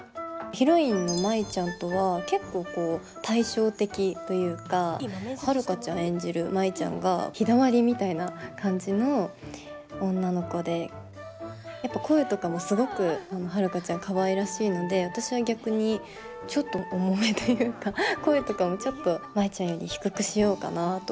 ヒロインの舞ちゃんとは結構対照的というか遥ちゃん演じる舞ちゃんが日だまりみたいな感じの女の子でやっぱ声とかもすごく遥ちゃんかわいらしいので私は逆にちょっと重めというか声とかもちょっと舞ちゃんより低くしようかなとか。